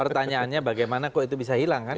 pertanyaannya bagaimana kok itu bisa hilang kan